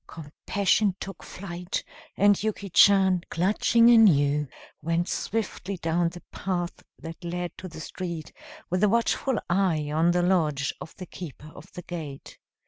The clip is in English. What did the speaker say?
Compassion took flight, and Yuki Chan, clutching anew, went swiftly down the path that led to the street, with a watchful eye on the lodge of the keeper of the gate.